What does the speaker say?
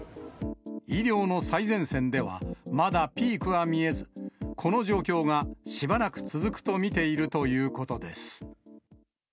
医療の最前線では、まだピークは見えず、この状況がしばらく続くと見ているということです。